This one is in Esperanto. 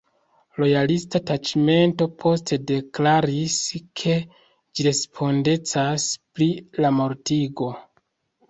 Lojalista taĉmento poste deklaris, ke ĝi respondecas pri la mortigo.